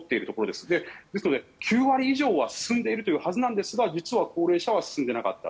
ですので９割以上は進んでいるはずですが実は高齢者は進んでいなかった。